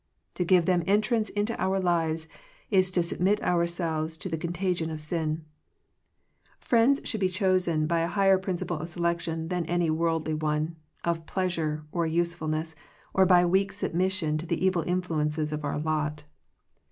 To give them entrance into our lives is to submit ourselves to the contagion of sin. Friends should be chosen by a higher principle of selection than any worldly 105 Digitized by VjOOQIC THE CHOICE OF FRIENDSHIP one, of pleasure, or usefulness, or by weak submission to the evil influences of our lot.